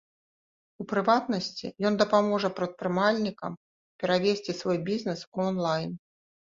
У прыватнасці, ён дапаможа прадпрымальнікам перавесці свой бізнес у онлайн.